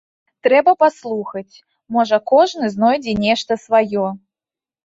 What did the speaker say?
Трэба паслухаць, можа, кожны знойдзе нешта сваё.